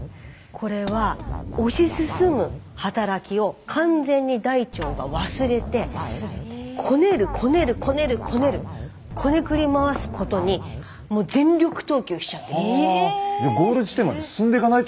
これはおし進む働きを完全に大腸が忘れてこねるこねるこねるこねるこねくり回すことに全力投球しちゃってるんです。